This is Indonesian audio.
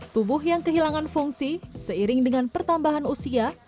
tubuh yang kehilangan fungsi seiring dengan pertambahan usia